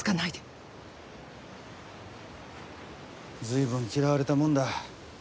随分嫌われたもんだ。